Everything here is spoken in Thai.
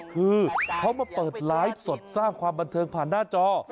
คือเขามาเปิดไลฟ์สดสร้างความบันเทิงผ่านหน้าจอ